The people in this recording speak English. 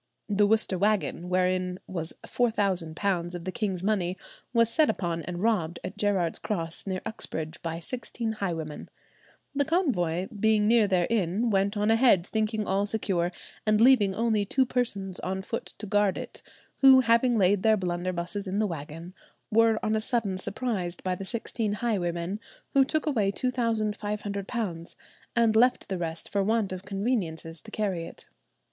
"The Worcester wagon, wherein was £4,000 of the king's money, was set upon and robbed at Gerard's Cross, near Uxbridge, by sixteen highwaymen. The convoy, being near their inn, went on ahead, thinking all secure, and leaving only two persons on foot to guard it, who, having laid their blunderbusses in the wagon, were on a sudden surprised by the sixteen highwaymen, who took away £2,500, and left the rest for want of conveniences to carry it."